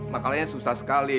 makalahnya susah sekali